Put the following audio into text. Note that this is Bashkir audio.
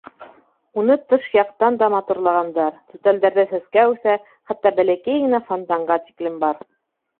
Уны тыш яҡтан да матурлағандар: түтәлдәрҙә сәскә үҫә, хатта бәләкәй генә фонтанға тиклем бар.